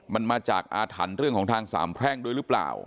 มันมาจากอาถรรพ์เรื่องของทางสามแพร่งด้วยหรือเปล่า